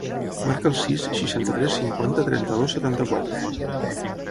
Marca el sis, seixanta-tres, cinquanta, trenta-dos, setanta-quatre.